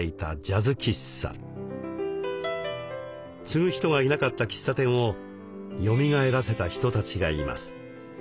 継ぐ人がいなかった喫茶店をよみがえらせた人たちがいます。